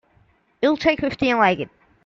You'll take fifty and like it!